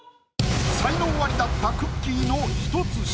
才能アリだったくっきー！の１つ下。